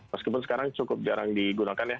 meskipun sekarang cukup jarang digunakan ya